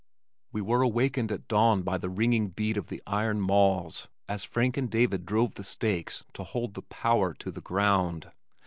We were awakened at dawn by the ringing beat of the iron mauls as Frank and David drove the stakes to hold the "power" to the ground.